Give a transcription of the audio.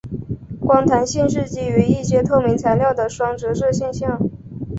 光弹性是基于一些透明材料的双折射现象。